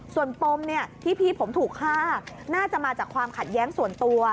ส่วนปมที่พี่ผมถูกฆ่าน่าจะมาจากความขัดแย้งส่วนตัว